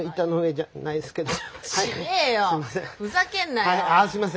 はいあすいません。